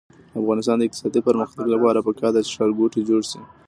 د افغانستان د اقتصادي پرمختګ لپاره پکار ده چې ښارګوټي جوړ شي.